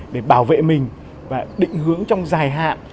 để bảo vệ mình và định hướng trong dài hạn